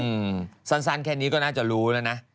อืมสั้นแค่นี้ก็น่าจะรู้แล้วนะ